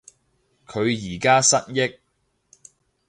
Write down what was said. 佢而家失憶